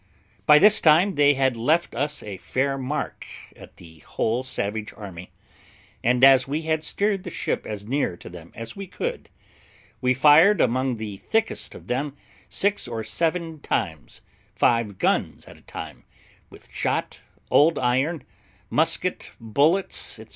By this time they had left us a fair mark at the whole savage army; and as we had sheered the ship as near to them as we could, we fired among the thickest of them six or seven times, five guns at a time, with shot, old iron, musket bullets, &c.